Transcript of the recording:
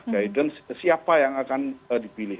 guidance siapa yang akan dipilih